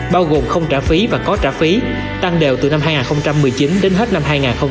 bao gồm không trả phí và có trả phí tăng đều từ năm hai nghìn một mươi chín đến hết năm hai nghìn hai mươi